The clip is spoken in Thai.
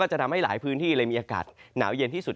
จะทำให้หลายพื้นที่เลยมีอากาศหนาวเย็นที่สุด